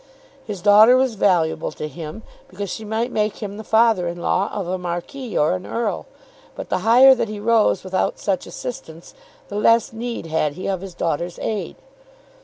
His daughter was valuable to him because she might make him the father in law of a Marquis or an Earl; but the higher that he rose without such assistance, the less need had he of his daughter's aid.